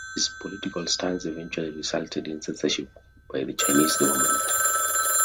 His political stance eventually resulted in censorship by the Chinese government.